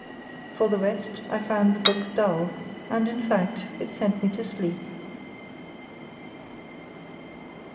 For the rest, I found the book dull, and, in fact, it sent me to sleep.